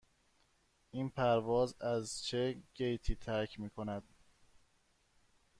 این پرواز از چه گیتی ترک می کند؟